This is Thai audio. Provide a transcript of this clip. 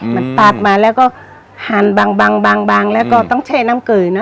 มันตัดมาแล้วก็หั่นบางแล้วก็ต้องแช่น้ำเกลือเนอ